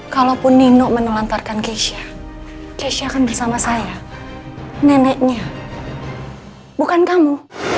kalaupun nino menelantarkan keisha keisha kan bersama saya neneknya bukan kamu